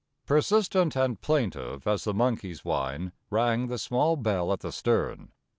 Persistent and plaintive as the monkey's whine rang the small bell at the stern.